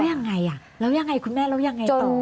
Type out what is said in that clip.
ยังไงอ่ะแล้วยังไงคุณแม่แล้วยังไงต่อ